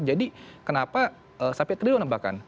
jadi kenapa sampai terlalu menembakkan